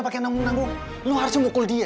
pake namunan gue lo harus mukul dia